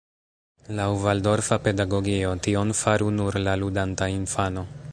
Laŭ valdorfa pedagogio, tion faru nur la ludanta infano.